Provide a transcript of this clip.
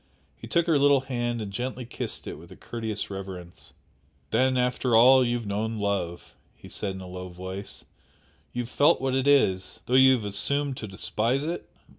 He took her little hand and gently kissed it with courteous reverence. "Then after all you have known love!" he said in a low voice "You have felt what it is, though you have assumed to despise it?"